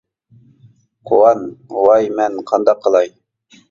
قۇۋان : ۋاي مەن قانداق قىلاي.